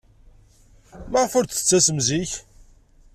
Maɣef ur d-tettasem zik?